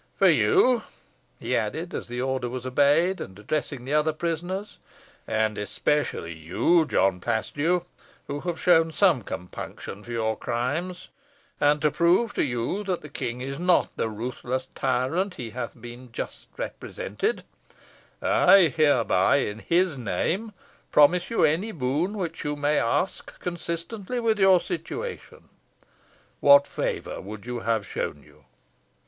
For you," he added, as the order was obeyed, and addressing the other prisoners, "and especially you, John Paslew, who have shown some compunction for your crimes, and to prove to you that the king is not the ruthless tyrant he hath been just represented, I hereby in his name promise you any boon, which you may ask consistently with your situation. What favour would you have shown you?"